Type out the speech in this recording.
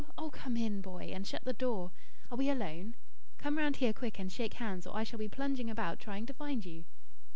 Oh, come in, Boy, and shut the door. Are we alone? Come round here quick and shake hands, or I shall be plunging about trying to find you."